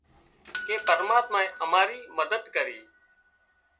ڪي پرماتما امارِي مدد ڪري۔